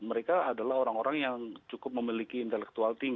mereka adalah orang orang yang cukup memiliki intelektual